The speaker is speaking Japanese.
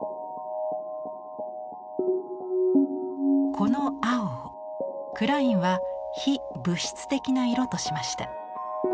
この青をクラインは非物質的な色としました。